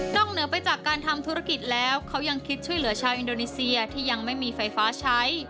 เหนือไปจากการทำธุรกิจแล้วเขายังคิดช่วยเหลือชาวอินโดนีเซียที่ยังไม่มีไฟฟ้าใช้